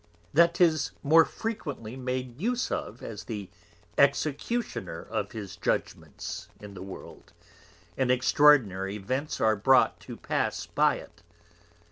That 'tis more frequently made use of as the Executioner of his Judgments in the World, and extraordinary Events are brought to pass by it.